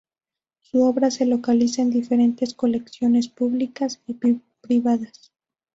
Su obra se localiza en diferentes colecciones públicas y privadas.